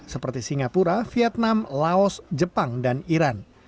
seperti singapura vietnam laos jepang dan iran